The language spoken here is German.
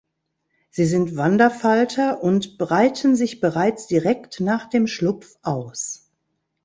Sie sind Wanderfalter und breiten sich bereits direkt nach dem Schlupf aus.